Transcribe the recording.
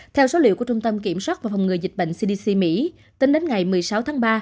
theo số liệu của trung tâm kiểm soát và phòng ngừa dịch bệnh cdc mỹ tính đến ngày một mươi sáu tháng ba